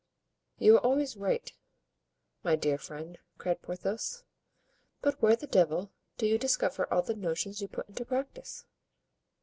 "You are always in the right, my dear friend," cried Porthos; "but where the devil do you discover all the notions you put into practice?"